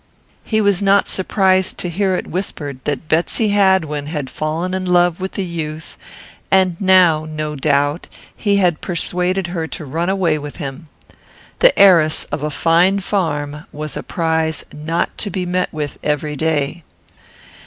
He was not surprised to hear it whispered that Betsy Hadwin had fallen in love with the youth, and now, no doubt, he had persuaded her to run away with him. The heiress of a fine farm was a prize not to be met with every day.